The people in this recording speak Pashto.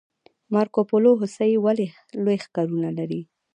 مارکوپولو هوسۍ ولې لوی ښکرونه لري؟